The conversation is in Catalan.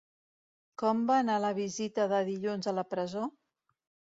Com va anar la visita de dilluns a la presó?